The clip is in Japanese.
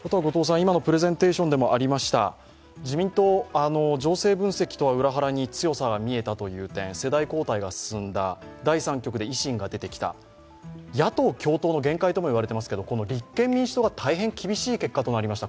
あとは自民党、情勢分析とは裏腹に強さが見えたという点、世代交代が進んだ、第三極で維新が出てきた、野党共闘の限界とも言われていますけど立憲民主党が大変厳しい結果となりました。